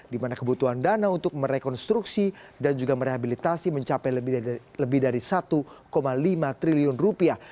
di mana kebutuhan dana untuk merekonstruksi dan juga merehabilitasi mencapai lebih dari satu lima triliun rupiah